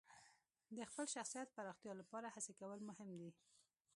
د خپل شخصیت پراختیا لپاره هڅې کول مهم دي.